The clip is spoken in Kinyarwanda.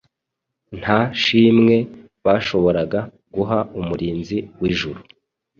Nta shimwe bashoboraga guha Umurinzi wijuru